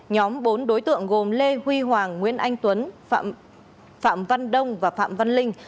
nhóm bốn đối tượng gồm lê huy hoàng nguyễn anh tuấn phạm văn đông và phạm văn linh